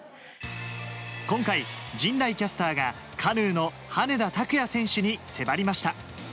今回、陣内キャスターがカヌーの羽根田卓也選手に迫りました。